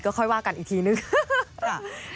ค่อยว่ากันอีกทีนึง